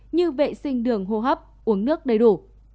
như vệ sinh đường hô hấp uống nước đầy đủ